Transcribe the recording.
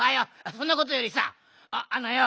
そんなことよりさあのよ